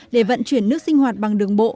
để vận chuyển nước sinh hoạt bằng đường bộ